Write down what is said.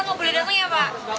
kita mau boleh denger ya pak